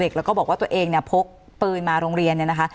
แล้วก็บอกว่าตัวเองเนี่ยพกปืนมาโรงเรียนเนี่ยนะคะ